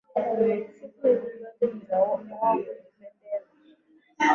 Siku hizi zote ni za wao kujipendeza